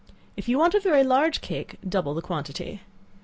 If you want a very large cake, double the quantity.